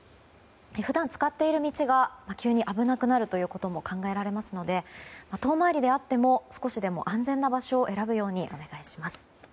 普段使っている道が急に危なくなるということも考えられますので遠回りであっても少しでも安全な場所を選ぶようにお願いします。